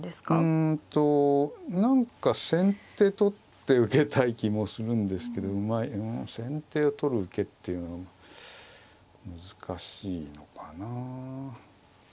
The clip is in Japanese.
うんと何か先手取って受けたい気もするんですけどうん先手を取る受けっていうの難しいのかな。